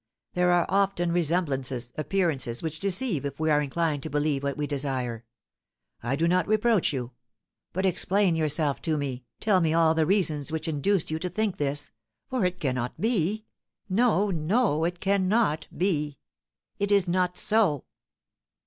There are often resemblances, appearances which deceive if we are inclined to believe what we desire. I do not reproach you; but explain yourself to me, tell me all the reasons which induced you to think this; for it cannot be, no, no, it cannot be, it is not so!"